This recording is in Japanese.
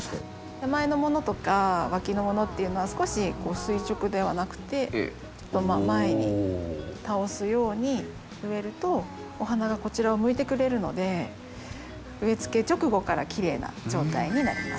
手前のものとか脇のものっていうのは少し垂直ではなくて前に倒すように植えるとお花がこちらを向いてくれるので植えつけ直後からきれいな状態になります。